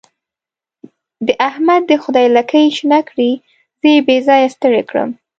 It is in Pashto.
د احمد دې خدای لکۍ شنه کړي؛ زه يې بې ځايه ستړی کړم.